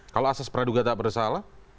kalau asas peraduga tak bersalah